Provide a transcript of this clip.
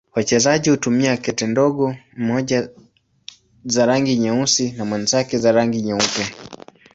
Wachezaji hutumia kete ndogo, mmoja za rangi nyeusi na mwenzake za rangi nyeupe.